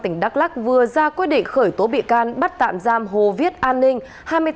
tỉnh đắk lắc vừa ra quyết định khởi tố bị can bắt tạm giam hồ viết an ninh